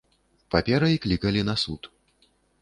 Паперай клікалі на суд.